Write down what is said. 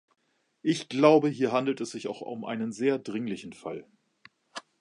Ich glaube, hier handelt es sich auch um einen sehr dringlichen Fall.